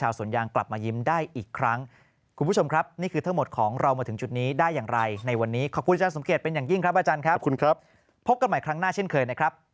เวลาที่สุดท้ายเวลาที่สุดท้าย